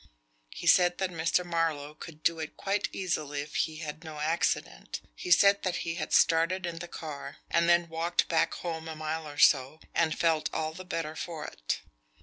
He said that Mr. Marlowe could do it quite easily if he had no accident. He said that he had started in the car, and then walked back home a mile or so, and felt all the better for it."